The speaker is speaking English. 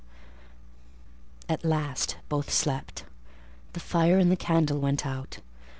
At last both slept: the fire and the candle went out.